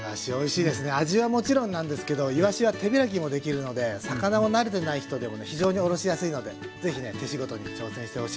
味はもちろんなんですけどいわしは手開きもできるので魚に慣れてない人でもね非常におろしやすいのでぜひね手仕事に挑戦してほしいです。